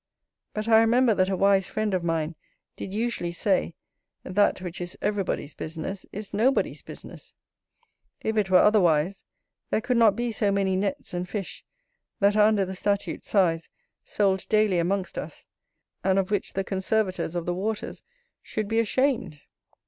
But I remember that a wise friend of mine did usually say, "that which is everybody's business is nobody's business": if it were otherwise, there could not be so many nets and fish, that are under the statute size, sold daily amongst us; and of which the conservators of the waters should be ashamed.